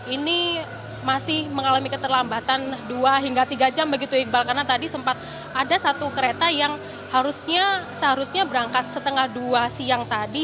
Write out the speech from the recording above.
ini masih mengalami keterlambatan dua hingga tiga jam begitu iqbal karena tadi sempat ada satu kereta yang seharusnya berangkat setengah dua siang tadi